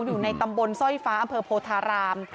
อยู่ในตำบลซอยฟ้าภพโพธาราม